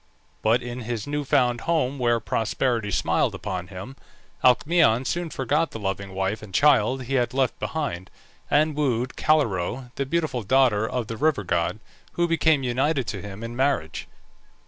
But in his new found home where prosperity smiled upon him, Alcmaeon soon forgot the loving wife and child he had left behind, and wooed Calirrhoe, the beautiful daughter of the river god, who became united to him in marriage.